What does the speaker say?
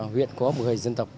huyện có một người dân tộc